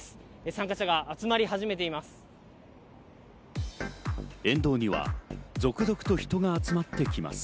参加者が集まり始めています。